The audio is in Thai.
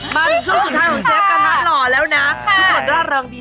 มาช่วงสุดท้ายของเชฟกระทะหล่อแล้วนะ